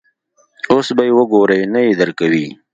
اوس به یې وګورې، نه یې درکوي.